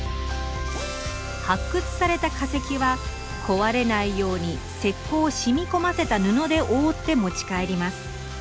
発掘された化石は壊れないように石こうを染み込ませた布で覆って持ち帰ります。